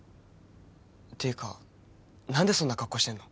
ていうか何でそんな格好してんの？